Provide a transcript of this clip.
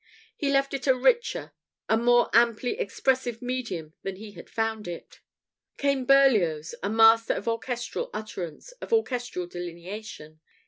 He left it a richer, a more amply expressive medium than he had found it. Came Berlioz, a master of orchestral utterance, of orchestral delineation.